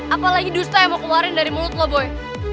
apa lagi dusta yang mau keluarin dari mulut lu boy